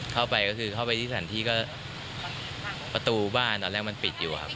เข้าไปก็คือเข้าไปที่สถานที่ก็ประตูบ้านตอนแรกมันปิดอยู่ครับ